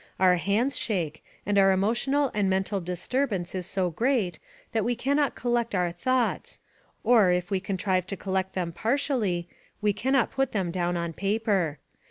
Our hands shake and our emotional and mental disturbance is so great that we cannot colhct our thoughts, or, if we contrive to collect them par tially, we cannot put them down on paper.